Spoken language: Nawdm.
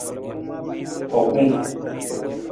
Hokung.